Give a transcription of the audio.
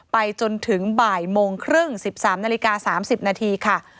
ไปจนถึงบ่ายโมงครึ่ง๑๓นาฬิกา๓๐นาทีค่ะ